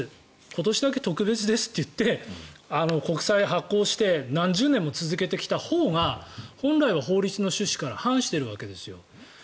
今年だけ特別ですと言って国債を発行して何十年も続けてきたほうが本来は法律の趣旨から反しているわけですよ。